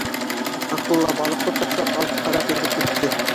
Акула, балыҡты ташлап алыҫҡараҡ йөҙөп китте.